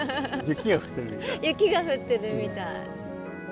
雪が降ってるみたい。